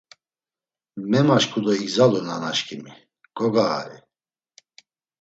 Memaşǩu do igzalu nanaşǩimi, gogağari!